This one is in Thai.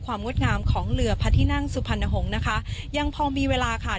งดงามของเรือพระที่นั่งสุพรรณหงษ์นะคะยังพอมีเวลาค่ะ